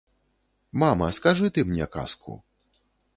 Мама, скажы ты мне казку.